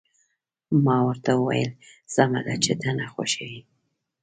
ما ورته وویل: سمه ده، چې ته نه خوښوې.